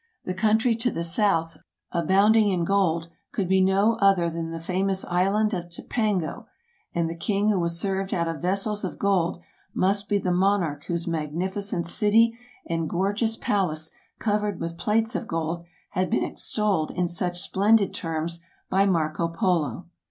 The country to the south, abounding in gold, could be no other than the famous island of Cipango ; and the king who was served out of vessels of gold must be the monarch whose magnificent city and THE EARLY EXPLORERS 25 gorgeous palace, covered with plates of gold, had been ex tolled in such splendid terms by Marco Polo.